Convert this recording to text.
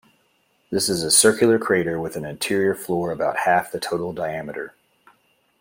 This is a circular crater with an interior floor about half the total diameter.